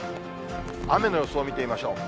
雨の予想を見てみましょう。